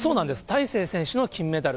大勢選手の金メダル。